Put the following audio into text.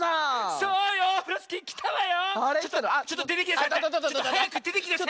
そうよ！